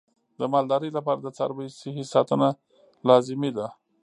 د مالدارۍ لپاره د څارویو صحي ساتنه لازمي ده.